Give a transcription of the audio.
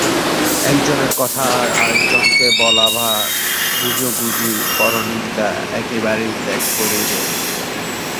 একজনের কথা আর একজনকে বলা বা গুজোগুজি, পরনিন্দা একেবারেই ত্যাগ করিবে।